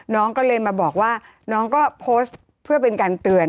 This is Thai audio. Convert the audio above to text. น้องก็เลยมาบอกว่าน้องก็โพสต์เพื่อเป็นการเตือน